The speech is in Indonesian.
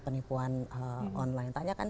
penipuan online tanyakan